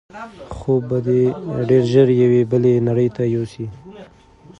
خوب به دی ډېر ژر یوې بلې نړۍ ته یوسي.